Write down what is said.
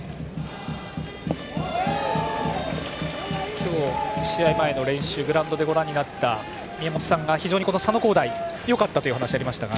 今日試合前の練習グラウンドでご覧になった宮本さんが非常に佐野皓大よかったという話がありましたが。